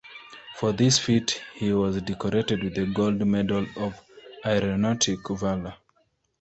For this feat he was decorated with the Gold Medal of Aeronautic Valor.